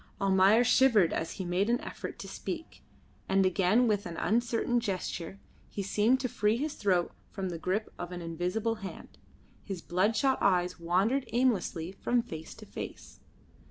Almayer shivered as he made an effort to speak, and again with an uncertain gesture he seemed to free his throat from the grip of an invisible hand. His bloodshot eyes wandered aimlessly from face to face.